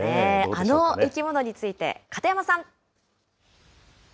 あの生き物について、片山さん。